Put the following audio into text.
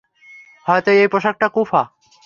হয়তো এই পোশাকটা কুফা।